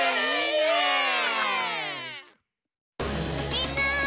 みんな！